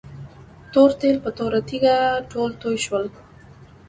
تور تیل په توره تيږه ټول توي شول.